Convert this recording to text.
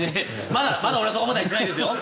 まだ俺はそこまで行ってないですよ！